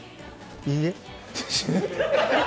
いいえ。